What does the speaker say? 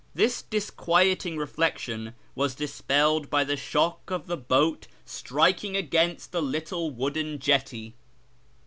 This disquieting reflection was dispelled by the shock of the boat striking against the little wooden jetty.